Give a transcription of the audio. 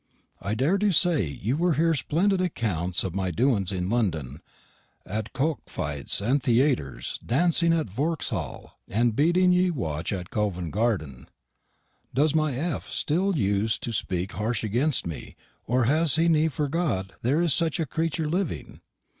I dare to say you here splended acounts of my doins in London at cok fites and theaters, dansing at Vorxhall, and beeting ye wotch in Covin Garden. Does my F. stil use to speke harsh agenst me, or has he ni forgott their is sech a creetur living?